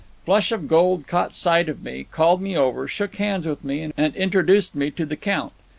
"Flush of Gold caught sight of me, called me over, shook hands with me, and introduced me to the Count.